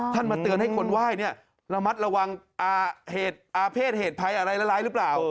อ๋อท่านมาเตือนให้คนไหว้เนี้ยระมัดระวังอาเหตุอาเพศเหตุภัยอะไรละลายหรือเปล่า